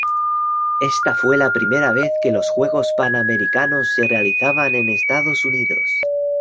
Esta fue la primera vez que los Juegos Panamericanos se realizaban en Estados Unidos.